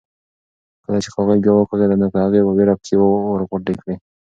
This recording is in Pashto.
کله چې کاغۍ بیا وکغېده نو هغې په وېره پښې ورغونډې کړې.